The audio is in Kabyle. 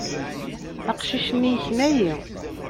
Aqcic-nni yekna-iyi.